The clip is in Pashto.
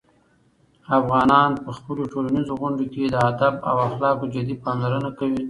افغانان په خپلو ټولنیزو غونډو کې د "ادب" او "اخلاقو" جدي پاملرنه کوي.